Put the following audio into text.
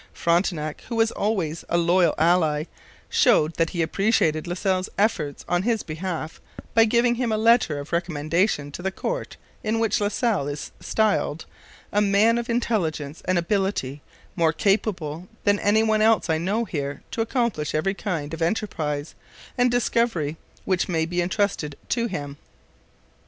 Frontenac, who was always a loyal ally, showed that he appreciated La Salle's efforts on his behalf by giving him a letter of recommendation to the court in which La Salle is styled 'a man of intelligence and ability, more capable than any one else I know here to accomplish every kind of enterprise and discovery which may be entrusted to him.'